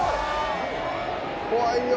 怖いよ。